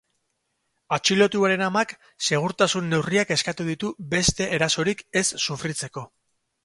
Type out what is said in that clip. Atxilotuaren amak segurtasun neurriak eskatu ditu beste erasorik ez sufritzeko.